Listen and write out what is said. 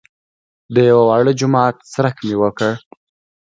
د یوه واړه جومات څرک مې وکړ.